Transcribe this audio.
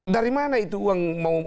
dari mana itu uang mau